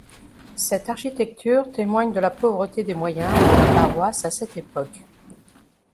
Cette architecture témoigne de la pauvreté des moyens de la paroisse à cette époque.